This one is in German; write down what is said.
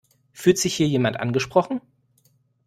Fühlt sich hier jemand angesprochen?